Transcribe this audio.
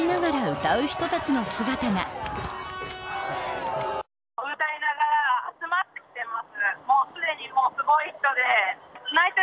歌いながら集まってきてます。